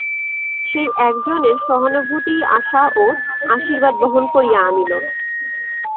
সেই একজনের সহানুভূতিই আশা ও আশীর্বাদ বহন করিয়া আনিল।